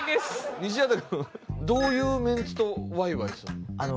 西畑くんどういうメンツとワイワイしてるの？